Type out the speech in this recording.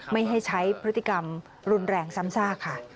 ไม่ให้ใช้พฤติกรรมรุนแรงซ้ำซากค่ะ